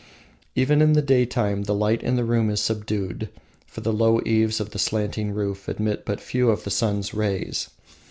Even in the daytime the light in the room is subdued, for the low eaves of the slanting roof admit but few of the sun's rays.